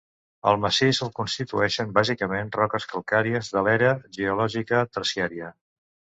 El massís el constituïxen bàsicament roques calcàries de l'era geològica terciària.